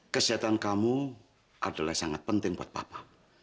kesehatan kamu adalah sangat penting buat papa